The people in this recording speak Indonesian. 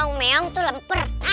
emangnya meong tuh lemper